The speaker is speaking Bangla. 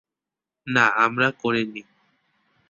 না, আমরা করিনি।